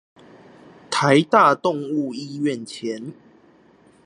臺大動物醫院前